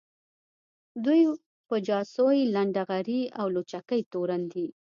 دوی په جاسوۍ ، لنډغري او لوچکۍ تورن دي